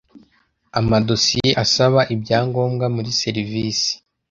amadosiye asaba ibyangombwa muri serivisi